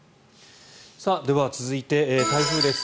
では、続いて台風です。